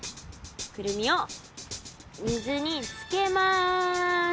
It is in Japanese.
クルミを水につけます。